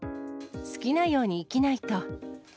好きなように生きないと。